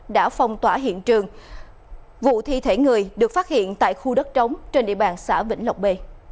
đã phong tỏa hiện trường vụ thi thể người được phát hiện tại khu đất trống trên địa bàn xã vĩnh lộc b